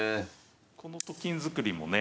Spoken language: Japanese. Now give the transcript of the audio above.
このと金作りもね